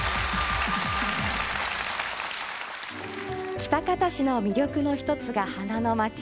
喜多方市の魅力の一つが花のまち。